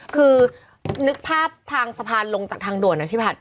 คือนึกภาพทางสะพานลงจากทางด่วนนะพี่ผัด